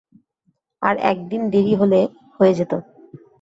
আর এক দিন দেরি হলে হয়ে যেত।